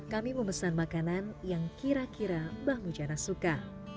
kami memesan makanan yang kira kira mbah mujana suka